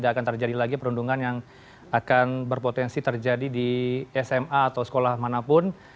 tidak akan terjadi lagi perundungan yang akan berpotensi terjadi di sma atau sekolah manapun